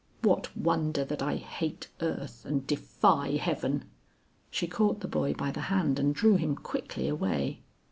What wonder that I hate earth and defy heaven!" She caught the boy by the hand and drew him quickly away.